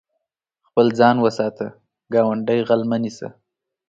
خپل ځان وساته، ګاونډی غل مه نيسه.